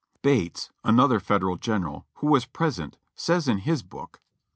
(Ibid.) Bates, another Federal general, who was present, says in his book (p.